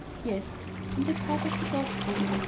Yes, on the part of the dogs only.